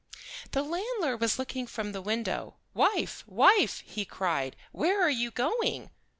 The landlord was looking from the window. "Wife, wife," he cried, "where are you going?"